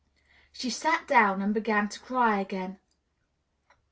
She sat down and began to cry again.